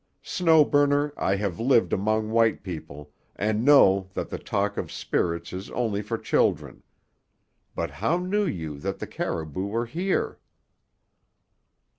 Snow Burner, I have lived among white people and know that the talk of spirits is only for children. But how knew you that the caribou were here?"